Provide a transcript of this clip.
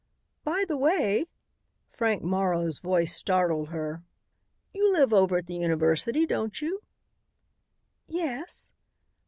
"By the way," Frank Morrow's voice startled her, "you live over at the university, don't you?" "Yes."